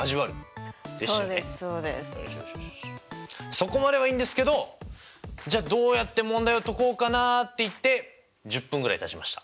そこまではいいんですけどじゃどうやって問題を解こうかなっていって１０分ぐらいたちました。